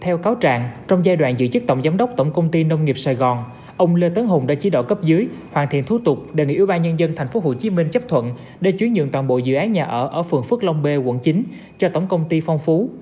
theo cáo trạng trong giai đoạn giữ chức tổng giám đốc tổng công ty nông nghiệp sài gòn ông lê tấn hùng đã chỉ đỏ cấp dưới hoàn thiện thú tục đề nghị ủy ban nhân dân tp hcm chấp thuận để chuyển nhượng toàn bộ dự án nhà ở ở phường phước long b quận chín cho tổng công ty phong phú